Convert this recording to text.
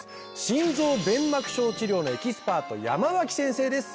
心臓弁膜症治療のエキスパート山脇先生です